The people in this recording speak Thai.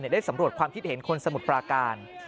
ได้สำรวจความคิดเห็นคนสมุทรปราการ